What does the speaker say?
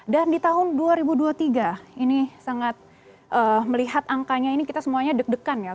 dan di tahun dua ribu dua puluh tiga ini sangat melihat angkanya ini kita semuanya deg degan ya